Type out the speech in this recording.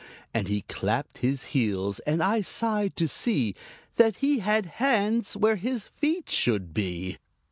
And he clapped his heels and I sighed to see That he had hands where his feet should be.